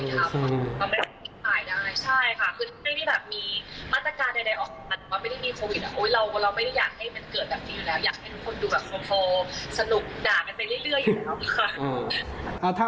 อยากให้ทุกคนดูโฟสนุกด่าไปเรื่อยอยู่แล้วค่ะ